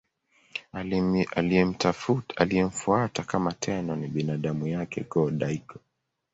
Aliyemfuata kama Tenno ni binamu yake Go-Daigo.